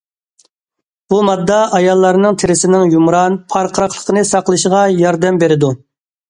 بۇ ماددا ئاياللارنىڭ تېرىسىنىڭ يۇمران، پارقىراقلىقىنى ساقلىشىغا ياردەم بېرىدۇ.